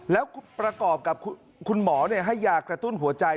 แล้วประกอบกับคุณหมอให้ยากระตุ้นหัวใจ